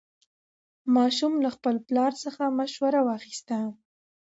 ماشوم له خپل پلار څخه مشوره واخیسته